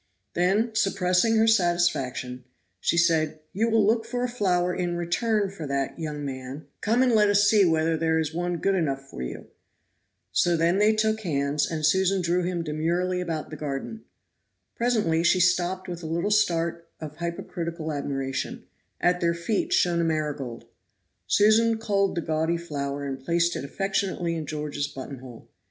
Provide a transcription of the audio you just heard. Then, suppressing her satisfaction, she said, "You will look for a flower in return for that, young man; come and let us see whether there is one good enough for you." So then they took hands, and Susan drew him demurely about the garden. Presently she stopped with a little start of hypocritical admiration; at their feet shone a marigold. Susan culled the gaudy flower and placed it affectionately in George's buttonhole.